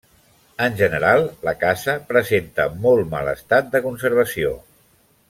En general, la casa presenta molt mal estat de conservació.